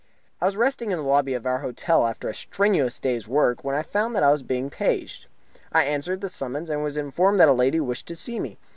I was resting in the lobby of our hotel after a strenuous day's work, when I found that I was being paged. I answered the summons, and was informed that a lady wished to see me.